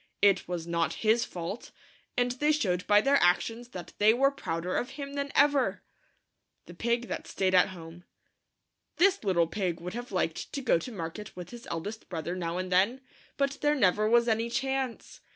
It was not his fault ; and they showed by their actions that they were prouder of him than ever. THE FIVE LITTLE PIGS. v.,, ,^ .4 4 v, o ^ x , =Ss "* m" THE PIG THAT STAID AT HOME. This little pig would have liked to go to market with his eldest brother now and then, but there never was any chance.